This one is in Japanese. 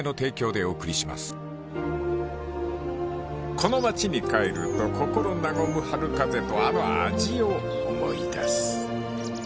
［この町に帰ると心和む春風とあの味を思い出す］